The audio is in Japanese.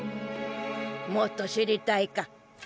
もっと知りたいか？